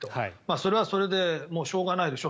それはそれでしょうがないでしょう。